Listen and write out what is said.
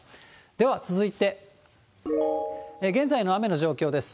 では続いて、現在の雨の状況です。